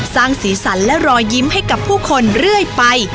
สร้างสีสันและรอยยิ้มให้กับผู้คนเรื่อยไป